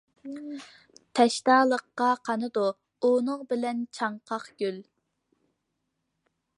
تەشنالىققا قانىدۇ، ئۇنىڭ بىلەن چاڭقاق دىل.